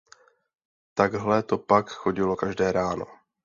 Takhle to pak chodilo každé ráno.